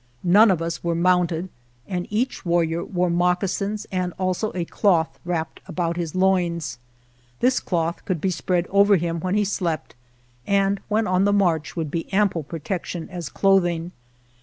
None of us were mounted and each warrior wore moccasins and also a cloth wrapped about his loins. This cloth could be spread over him when he slept, and when on the march would be ample protection as clothing.